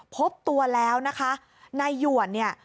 พบตัวแล้วนะคะนายหยวนเนี่ย